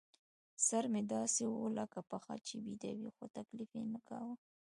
سر مې داسې و لکه پښه چې بېده وي، خو تکلیف یې نه کاوه.